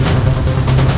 dia yang menang